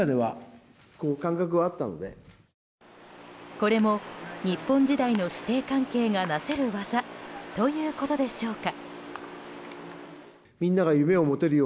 これも、日本時代の師弟関係がなせる業ということでしょうか。